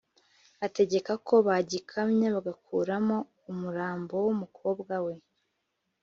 ategeka ko bagikamya, bagakuramo umurambo w'umukobwa we